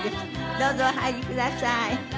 どうぞお入りください。